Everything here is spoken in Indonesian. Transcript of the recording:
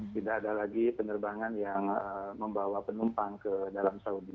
tidak ada lagi penerbangan yang membawa penumpang ke dalam saudi